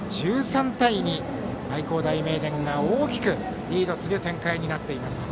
１３対２、愛工大名電が大きくリードする展開です。